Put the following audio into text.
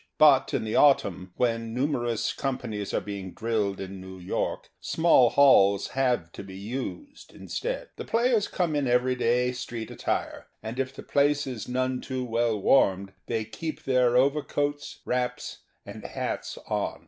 But in the autumn, when nu merous companies are being drilled in New York, small halls have to be used instead. The players come in every day The Theatre and Its People 147 street attire, and if the place is none too well warmed, they .keep their over coats, wraps, and hats on.